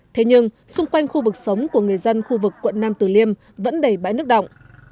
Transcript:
thế nhưng xung quanh khu vực sống của người dân khu vực quận nam tử liêm vẫn đầy bãi nước động